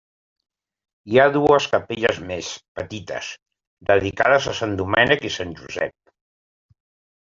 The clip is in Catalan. Hi ha dues capelles més, petites, dedicades a Sant Domènec i Sant Josep.